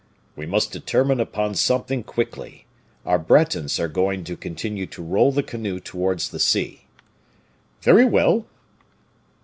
"We must determine upon something quickly. Our Bretons are going to continue to roll the canoe towards the sea." "Very well."